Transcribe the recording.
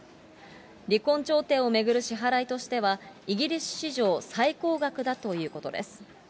離婚調停を巡る支払いとしては、イギリス史上最高額だということです。